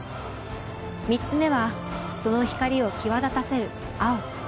３つ目はその光を際立たせる。